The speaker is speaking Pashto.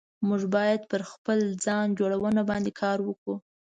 موږ بايد پر خپل ځان جوړونه باندي کار وکړو